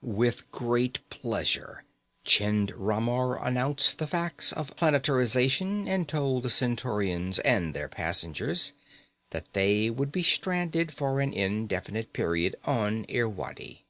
With great relish, Chind Ramar announced the facts of planetarization and told the Centaurians and their passengers that they would be stranded for an indefinite period on Irwadi.